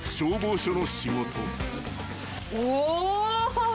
お。